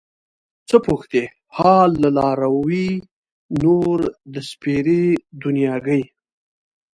څه پوښتې حال له لاروي نور د سپېرې دنياګۍ